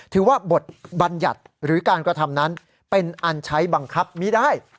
ถือว่าบทบัญญัติหรือการกระทำนั้นเป็นอันใช้บังคับไม่ได้